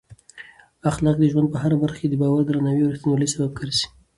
اخلاق د ژوند په هره برخه کې د باور، درناوي او رښتینولۍ سبب ګرځي.